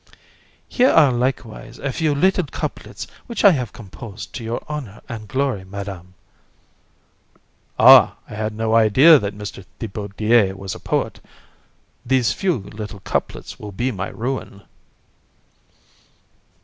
THI. Here are likewise a few little couplets which I have composed to your honour and glory, Madam. VISC. Ah! I had no idea that Mr. Thibaudier was a poet; these few little couplets will be my ruin. COUN.